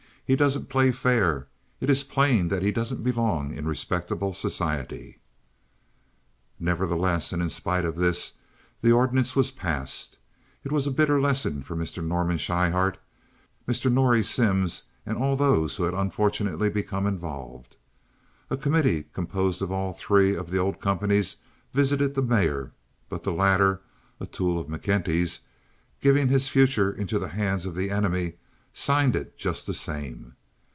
"He doesn't play fair. It is plain that he doesn't belong in respectable society." Nevertheless, and in spite of this, the ordinance was passed. It was a bitter lesson for Mr. Norman Schryhart, Mr. Norrie Simms, and all those who had unfortunately become involved. A committee composed of all three of the old companies visited the mayor; but the latter, a tool of McKenty, giving his future into the hands of the enemy, signed it just the same.